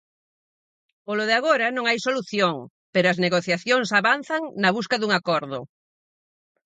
Polo de agora, non hai solución, pero as negociacións avanzan na busca dun acordo.